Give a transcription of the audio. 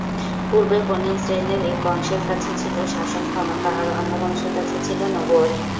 পূর্বে বনী ইসরাইলের এক বংশের কাছে ছিল শাসন ক্ষমতা আর অন্য বংশের কাছে ছিল নবুয়ত।